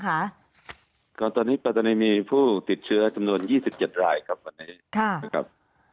ก็ตอนนี้ปัจจุดนี้มีผู้ติดเชื้อจำนวน๒๗รายครับ